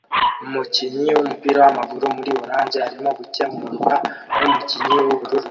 Umukinnyi wumupira wamaguru muri orange arimo gukemurwa numukinnyi wubururu